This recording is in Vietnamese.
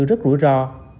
rất rủi ro